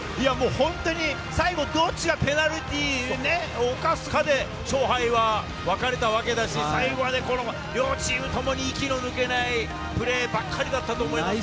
本当に最後どっちがペナルティーを犯すかで、勝敗はわかれたわけですし、最後まで両チームともに息の抜けないプレーばっかりだったと思いますね。